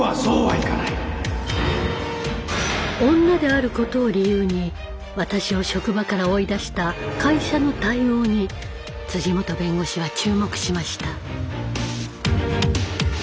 女であることを理由に私を職場から追い出した「会社」の対応に本弁護士は注目しました。